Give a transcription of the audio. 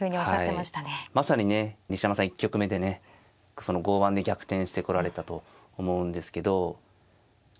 まさにね西山さん１局目でねその剛腕で逆転してこられたと思うんですけどま